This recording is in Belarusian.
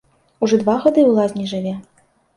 Ужо два гады ў лазні жыве.